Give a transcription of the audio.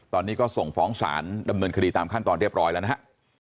ตอนนี้ก็ส่งฟ้องศาลดำเนินคดีตามขั้นตอนเรียบร้อยแล้วนะฮะ